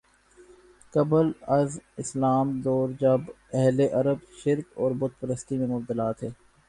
قبل از اسلام دور جب اہل عرب شرک اور بت پرستی میں مبتلا تھے